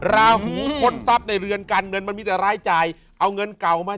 มันมีแต่เรื่องเสียเงิน